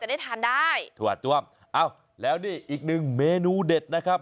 ได้ทานได้ถั่วต้วมอ้าวแล้วนี่อีกหนึ่งเมนูเด็ดนะครับ